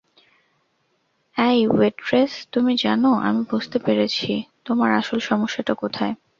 অ্যাই waitress, তুমি জানো, আমি বুঝতে পেরেছি, তোমার আসল সমস্যাটা কোথায়।